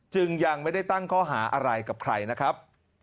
จึงยังไม่ได้ตั้งข้อหาอะไรกับใครนะครับ